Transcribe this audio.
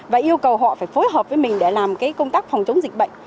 và yêu cầu họ phải phối hợp với mình để làm cái công tác phòng chống dịch bệnh